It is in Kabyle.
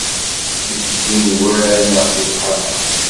Deg yigenwan neɣ di lqaɛa.